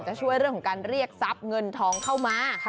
จะช่วยเรื่องของการเรียกทรัพย์เงินทองเข้ามา